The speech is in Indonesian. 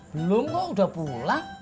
belum kok udah pulang